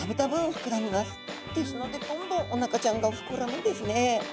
ですのでどんどんおなかちゃんが膨らむんですね。